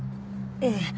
ええ。